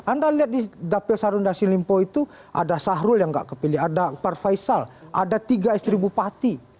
anda lihat di dapil sarundasi limpo itu ada sahrul yang nggak kepilih ada akbar faisal ada tiga istri bupati